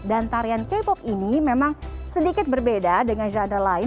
dan tarian k pop ini memang sedikit berbeda dengan genre lain